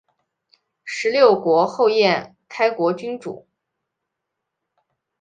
十六国后燕开国君主。